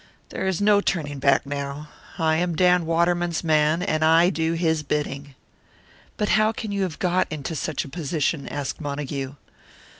There is no turning back now. I am Dan Waterman's man, and I do his bidding." "But how can you have got into such a position?" asked Montague.